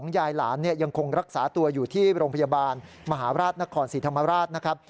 ยายหลานยังคงรักษาตัวอยู่ที่โรงพยาบาลมหาราชนครศรีธรรมราชนะครับ